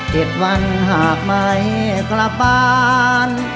๗วันหากไม่กลับบ้าน